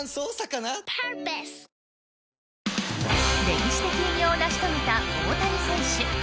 歴史的偉業を成し遂げた大谷選手。